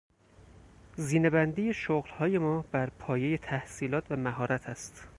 زینه بندی شغلهای ما برپایهی تحصیلات و مهارت است.